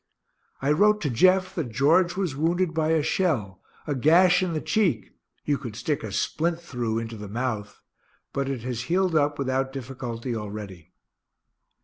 I wrote to Jeff that George was wounded by a shell, a gash in the cheek you could stick a splint through into the mouth, but it has healed up without difficulty already.